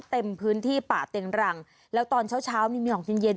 เต็มพื้นที่ป่าเต็งรังแล้วตอนเช้าเช้านี่มีออกเย็นเย็น